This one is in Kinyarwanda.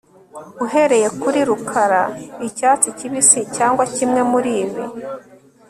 uhereye kuri rukara icyatsi kibisi, cyangwa kimwe muribi